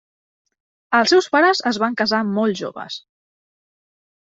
Els seus pares es van casar molt joves.